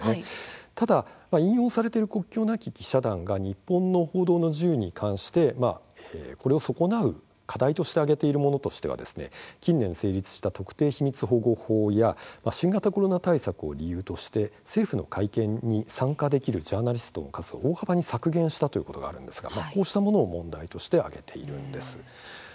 ただ引用されている国境なき記者団が日本の報道の自由に関して損なう課題として挙げているものとしては近年成立した特定秘密保護法や新型コロナ対策を理由として政府の会見に参加できるジャーナリストの数を大幅に削減したということがあるんですがこうしたものが問題として挙げられています。